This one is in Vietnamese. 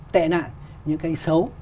tệ nạn những cái xấu